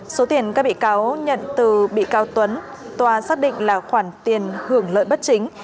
số tiền các bị cáo nhận từ bị cáo tuấn tòa xác định là khoản tiền hưởng lợi bất chính